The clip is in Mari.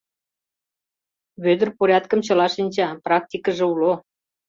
Вӧдыр порядкым чыла шинча, практикыже уло.